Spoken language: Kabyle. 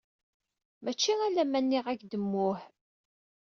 Mačči alamma nniɣ-ak-d: mmuhh.